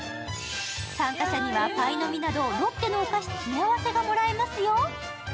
参加者にはパイの実などロッテのお菓子詰め合わせがもらえますよ。